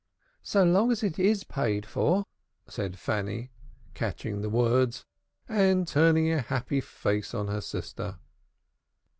"So long as it is paid for," said Fanny, catching the words and turning a happy face on her sister.